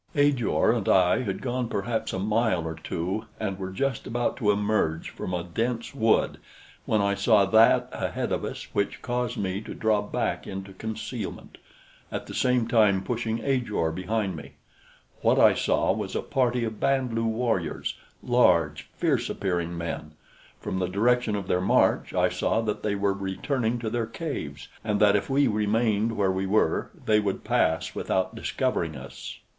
Ajor and I had gone perhaps a mile or two and were just about to emerge from a dense wood when I saw that ahead of us which caused me to draw back into concealment, at the same time pushing Ajor behind me. What I saw was a party of Band lu warriors large, fierce appearing men. From the direction of their march I saw that they were returning to their caves, and that if we remained where we were, they would pass without discovering us.